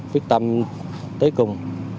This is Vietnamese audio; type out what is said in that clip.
viết tâm tới cùng